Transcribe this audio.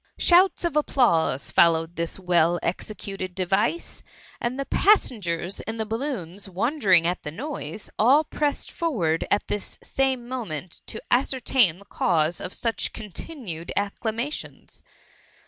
Shouts of applause followed this well executed device ; and the passengers in the balloons won dering at the noise, all pressed forward at t^|| same moment to ascertain the cause of such cdii^ tinned acclamation^.